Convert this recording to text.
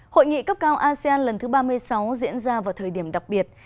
hội nghị cấp cao asean lần thứ ba mươi sáu diễn ra vào thời điểm đặc biệt